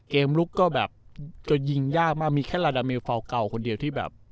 ลุกก็แบบจะยิงยากมากมีแค่ลาลาเมลฟาวเก่าคนเดียวที่แบบ